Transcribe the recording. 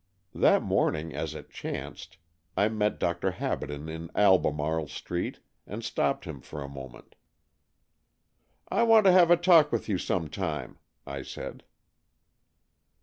That morning, as it chanced, I met Dr. Habaden in Albemarle Street and stopped him for a moment. " I want to have a talk with you some time," I said.